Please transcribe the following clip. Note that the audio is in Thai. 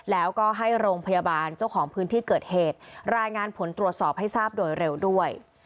แล้วก็ให้โรงพยาบาลเจ้าของพื้นที่เกิดเหตุรายงานผลตรวจสอบให้ทราบโดยเร็วด้วย